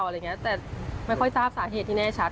อะไรอย่างนี้แต่ไม่ค่อยทราบสาเหตุที่แน่ชัด